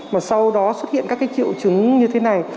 mà sau đó xuất hiện các triệu chứng như thế này